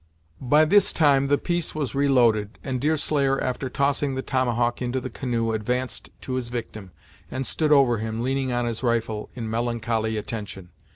By this time the piece was reloaded, and Deerslayer, after tossing the tomahawk into the canoe, advanced to his victim, and stood over him, leaning on his rifle, in melancholy attention.